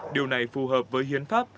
điều này phù hợp với hiến pháp